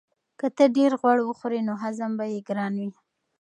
که ته ډېر غوړ وخورې نو هضم به یې ګران وي.